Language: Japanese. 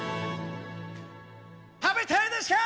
食べたいですか？